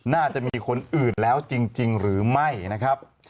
น่าจะมีคนอื่นแล้วจริงหรือไม่นะครับ